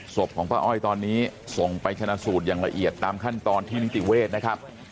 ศพของป้าอ้อยตอนนี้ส่งไปชนะสูตรอย่างละเอียดตามขั้นตอนที่นิติเวศนะครับ